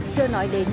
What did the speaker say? chưa nói đến